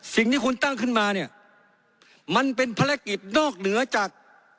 สิ่งที่คุณตั้งขึ้นมาเนี่ยมันเป็นภารกิจนอกเหนือจาก